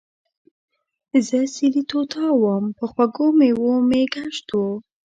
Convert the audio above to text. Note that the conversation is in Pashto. زۀ سېلي طوطا ووم پۀ خوږو مېوو مې ګشت وو